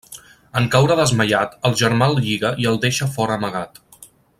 En caure desmaiat, el germà el lliga i el deixa fora amagat.